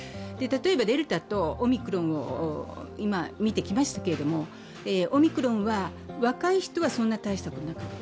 例えばデルタとオミクロンを今、見てきましたけど、オミクロンは若い人はそんな大したことなかった。